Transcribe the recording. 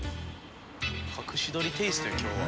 隠し撮りテイストや今日は。